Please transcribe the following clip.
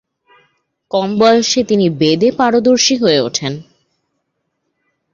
কম বয়সে তিনি বেদে পারদর্শী হয়ে ওঠেন।